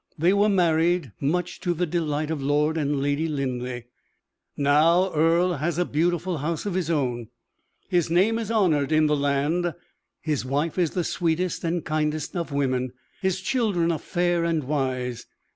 They were married, much to the delight of Lord and Lady Linleigh. Now Earle has a beautiful house of his own: his name is honored in the land; his wife is the sweetest and kindest of women; his children are fair and wise.